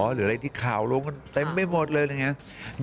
เหลืออะไรที่ข่าวลงแต่ไม่หมดเลยนะครับ